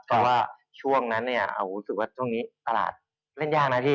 เพราะว่าช่วงนั้นเนี่ยรู้สึกว่าช่วงนี้ตลาดเล่นยากนะพี่